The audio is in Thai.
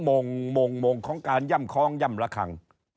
โมงโมงโมงของการย่ำคล้องย่ำระคัง